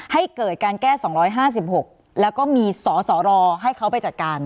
ให้เกิดการแก้๒๕๖แล้วก็มีสสรให้เขาไปจัดการ